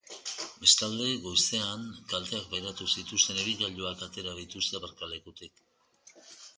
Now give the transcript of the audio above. Bestalde, goizean, kalteak pairatu zituzten ibilgailuak atera dituzte aparkalekutik.